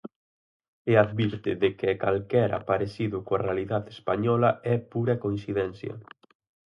E advirte de que "calquera parecido coa realidade española é pura coincidencia".